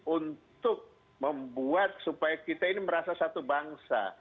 untuk membuat supaya kita ini merasa satu bangsa